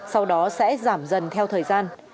sau đó sẽ giảm dần theo thời gian